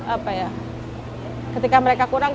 apa ya ketika mereka kurang